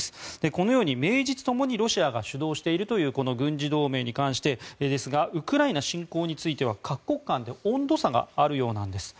このように名実ともにロシアが主導しているというこの軍事同盟に関してですがウクライナ侵攻については各国間で温度差があるようなんです。